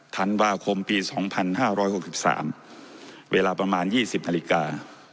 ธันวาคมปี๒๕๖๓เวลาประมาณ๒๐นาฬิกา